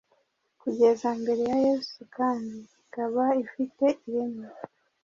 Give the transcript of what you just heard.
kugeza mbere ya Yesu kandi ikaba ifite ireme